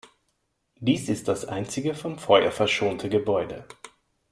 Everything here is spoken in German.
Dies ist das einzige vom Feuer verschonte Gebäude.